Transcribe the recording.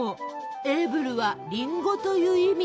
エーブルは「りんご」という意味。